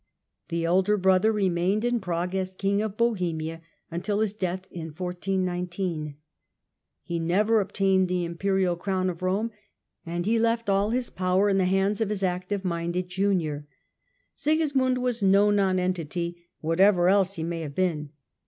The elder brother remained in Prague as King of Bohemia until his death in 1419. He never obtained the Imperial Crown of Kome and he left all power in the hands of his active minded junior Sigismund was no nonentity, whatever else he may have been.